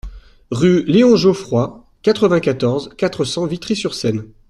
Rue Léon Geffroy, quatre-vingt-quatorze, quatre cents Vitry-sur-Seine